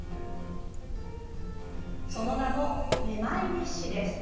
その名も、めまい日誌です。